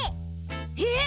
えっ？